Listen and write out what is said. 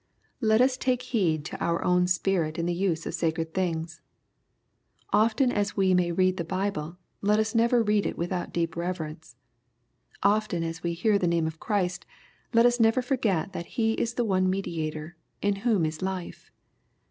Let us take heed to our own spirit in the use of sacred things. Often as we may read the Bible, let us never read it without deep reverence. Often as we hear the name of ChristjleTitB never forget that He is the One Mediator, in whom is life.